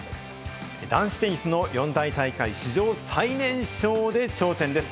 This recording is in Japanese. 男子テニスの四大大会、史上最年少で頂点です。